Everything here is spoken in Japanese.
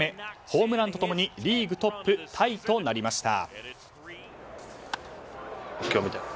ホームランと共にリーグトップタイとなりました。